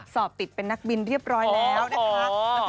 สอบติดเป็นนักบินเรียบร้อยแล้วนะคะ